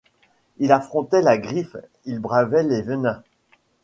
Ils affrontaient la griffe, ils bravaient les venins